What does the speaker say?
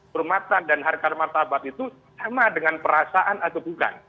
kehormatan dan harkat martabat itu sama dengan perasaan atau bukan